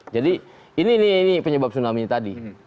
jadi ini penyebab tsunami tadi